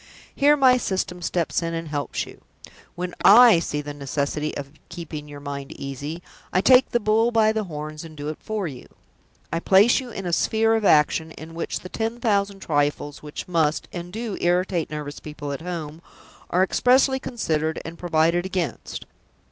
Here my System steps in and helps you! When I see the necessity of keeping your mind easy, I take the bull by the horns and do it for you. I place you in a sphere of action in which the ten thousand trifles which must, and do, irritate nervous people at home are expressly considered and provided against.